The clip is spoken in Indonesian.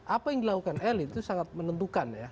apa yang dilakukan elit itu sangat menentukan ya